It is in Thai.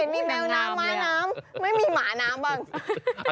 ไม่มีหมาน้ำบ้าง